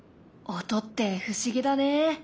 音って不思議だね。